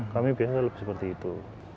kami biasanya lebih seperti itu